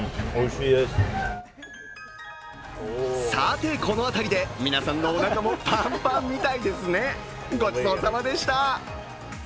さて、この辺りで皆さんのおなかもパンパンみたいですね、ごちそうさまでした。